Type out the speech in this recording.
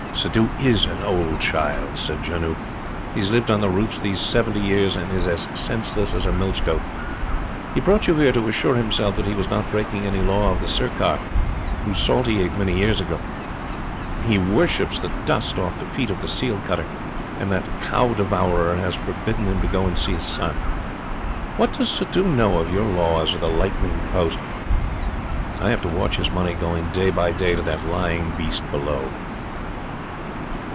"Suddhoo IS an old child," said Janoo. "He has lived on the roofs these seventy years and is as senseless as a milch goat. He brought you here to assure himself that he was not breaking any law of the Sirkar, whose salt he ate many years ago. He worships the dust off the feet of the seal cutter, and that cow devourer has forbidden him to go and see his son. What does Suddhoo know of your laws or the lightning post? I have to watch his money going day by day to that lying beast below."